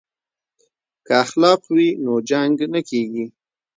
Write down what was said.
که اخلاق وي نو جنګ نه کیږي.